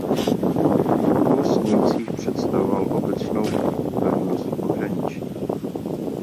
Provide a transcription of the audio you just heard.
V obou snímcích představoval obecnou „pevnost v pohraničí“.